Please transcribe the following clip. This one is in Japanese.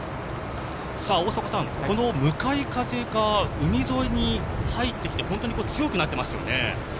向かい風が海沿いに入ってきて強くなってますよね。